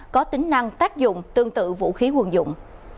có tính năng tác dụng tương tự vũ khí quân dụng